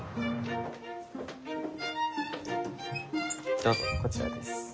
どうぞこちらです。